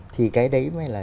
thì cái đấy mới là